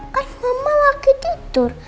kan mama lagi tidur